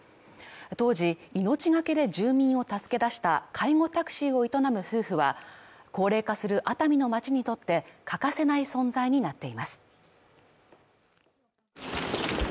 当時、命がけで住民を助け出した介護タクシーを営む夫婦は高齢化する熱海の町にとって欠かせない存在になっています。